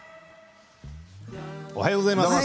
おはようございます。